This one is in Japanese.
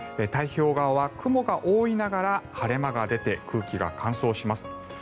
太平洋側は雲が多いながら晴れ間が出て空気が乾燥します。